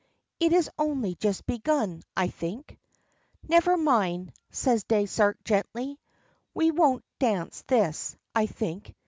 It is only just begun, I think." "Never mind," says Dysart, gently. "We won't dance this, I think.